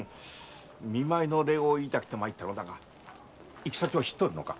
見舞いの礼を言いたくて参ったが行き先を知っておるのか？